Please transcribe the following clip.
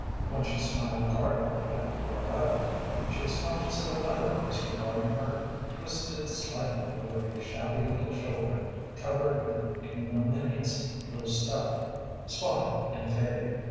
When she smiled guardedly at Floretta, she was conscious of another face regarding her, twisted slightly over a shabby little shoulder covered with an ignominious blue stuff, spotted and faded.